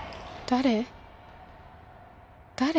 誰？